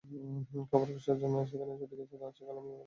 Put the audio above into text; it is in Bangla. খবর পেয়ে স্বজনেরা সেখানে ছুটে গিয়ে লাশটি কালামের বলে শনাক্ত করেন।